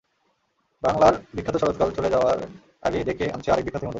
বাংলার বিখ্যাত শরৎকাল চলে যাওয়ার আগে ডেকে আনছে আরেক বিখ্যাত হেমন্তকে।